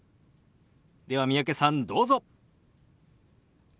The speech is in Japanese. では三宅さんどうぞ。